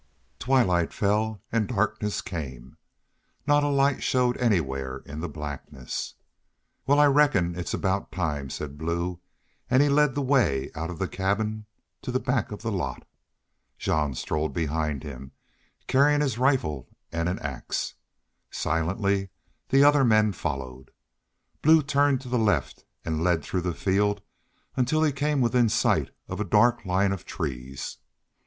Twilight fell and darkness came. Not a light showed anywhere in the blackness. "Wal, I reckon it's aboot time," said Blue, and he led the way out of the cabin to the back of the lot. Jean strode behind him, carrying his rifle and an ax. Silently the other men followed. Blue turned to the left and led through the field until he came within sight of a dark line of trees.